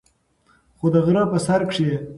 خو د غرۀ پۀ سر کښې